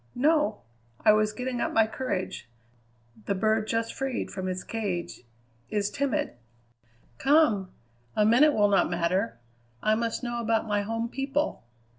"No. I was getting up my courage. The bird just freed from its cage is timid." "Come! A minute will not matter. I must know about my home people."